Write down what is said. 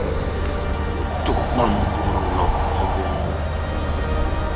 untuk membunuh kalian